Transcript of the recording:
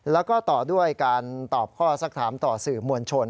แล้วก็ต่อด้วยการตอบข้อสักถามต่อสื่อมวลชน